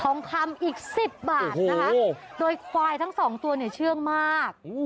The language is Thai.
ทองคำอีก๑๐บาทนะคะโดยควายทั้งสองตัวเนี่ยเชื่องมาก